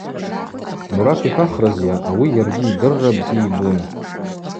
Мурат йхӏвахрызйа, ауи йаргьи йдырра бзи йбун.